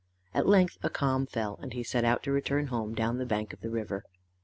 At length a calm fell, and he set out to return home, down the bank of the river.